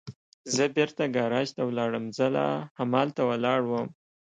زه بېرته ګاراج ته ولاړم، زه لا همالته ولاړ ووم.